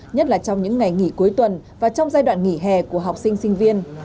nhất là trong những ngày nghỉ cuối tuần và trong giai đoạn nghỉ hè của học sinh sinh viên